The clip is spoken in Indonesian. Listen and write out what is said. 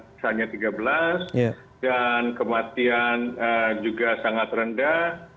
masa itu hanya tiga belas dan kematian juga sangat rendah